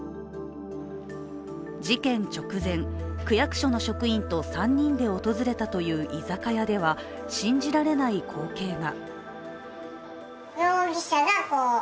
事件直前、区役所の職員と３人で訪れたという居酒屋では信じられない光景が。